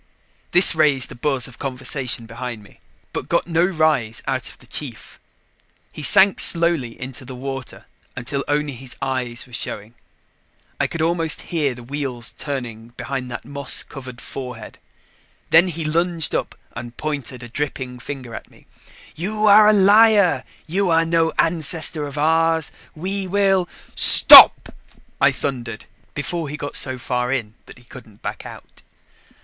This raised a buzz of conversation behind me, but got no rise out of the chief. He sank slowly into the water until only his eyes were showing. I could almost hear the wheels turning behind that moss covered forehead. Then he lunged up and pointed a dripping finger at me. "You are a liar! You are no ancestor of ours! We will " "Stop!" I thundered before he got so far in that he couldn't back out.